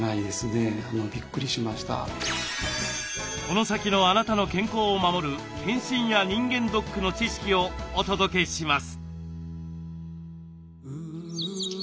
この先のあなたの健康を守る健診や人間ドックの知識をお届けします。